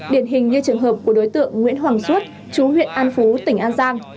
điển hình như trường hợp của đối tượng nguyễn hoàng xuất chú huyện an phú tỉnh an giang